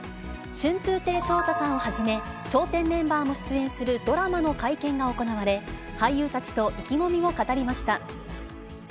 春風亭昇太さんはじめ、笑点メンバーも出演するドラマの会見が行われ、俳優たちと意気込みを語りました。